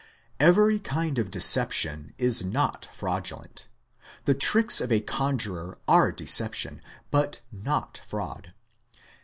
Every kind of deception is not fraudulent. The tricks of a conjurer are deception, but not fraud.